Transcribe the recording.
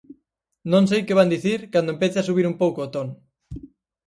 Non sei que van dicir cando empece a subir un pouco o ton.